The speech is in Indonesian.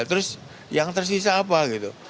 terus yang tersisa apa gitu